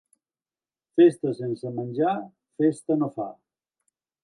Festa sense menjar, festa no fa.